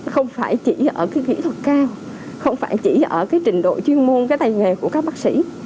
không phải chỉ ở cái kỹ thuật cao không phải chỉ ở cái trình độ chuyên môn cái tay nghề của các bác sĩ